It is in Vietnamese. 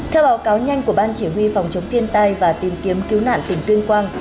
theo báo cáo nhanh của ban chỉ huy phòng chống thiên tai và tìm kiếm cứu nạn tỉnh tuyên quang